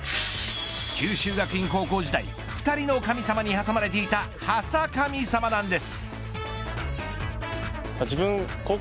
九州学院高校時代２人の神様に挟まれていた挟神様なんです。